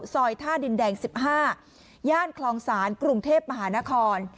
ซอยท่าดินแดงสิบห้าย่านคลองศาลกรุงเทพมหานคร